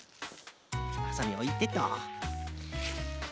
はさみおいてと。